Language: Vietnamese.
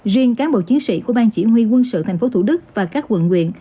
riêng cán bộ chiến sĩ của bang chỉ huy quân sự tp thủ đức và các quận quyện